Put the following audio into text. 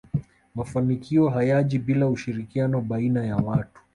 mafanikio hayaji bila ushirikiano baiana ya watu